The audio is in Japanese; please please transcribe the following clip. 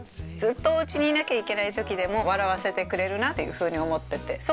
ずっとお家にいなきゃいけない時でも笑わせてくれるなというふうに思ってて。